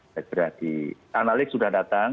segera di analik sudah datang